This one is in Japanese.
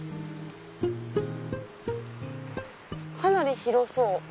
かなり広そう。